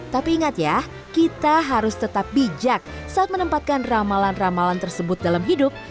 tapi ingat ya kita harus tetap bijak saat menempatkan ramalan ramalan tersebut dalam hidup